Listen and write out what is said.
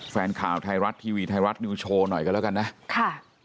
แฟนข่าวไทยรัฐทีวีไทยรัฐนิวโชว์หน่อยกันแล้วกันนะค่ะ